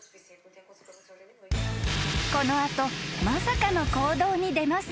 ［この後まさかの行動に出ます］